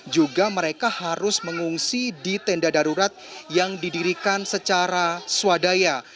juga mereka harus mengungsi di tenda darurat yang didirikan secara swadaya